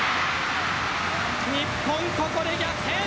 日本、ここで逆転。